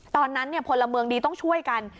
ตอนนั้นพลเมืองดีต้องช่วยกัน